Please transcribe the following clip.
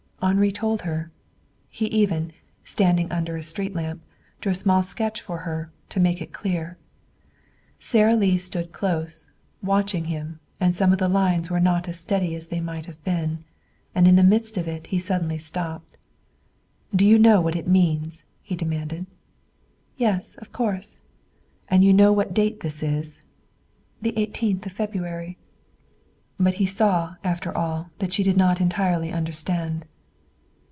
Henri told her. He even, standing under a street lamp, drew a small sketch for her, to make it clear. Sara Lee stood close, watching him, and some of the lines were not as steady as they might have been. And in the midst of it he suddenly stopped. "Do you know what it means?" he demanded. "Yes, of course." "And you know what date this is?" "The eighteenth of February." But he saw, after all, that she did not entirely understand.